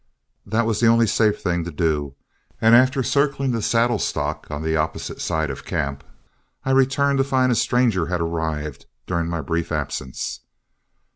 That was the only safe thing to do, and after circling the saddle stock on the opposite side of camp, I returned to find that a stranger had arrived during my brief absence.